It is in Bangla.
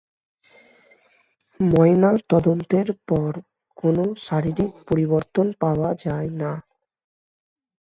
ময়না তদন্তের পর কোন শারীরিক পরিবর্তন পাওয়া যায় না।